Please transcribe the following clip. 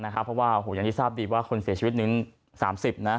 เพราะว่าอย่างที่ทราบดีว่าคนเสียชีวิตนึง๓๐นะ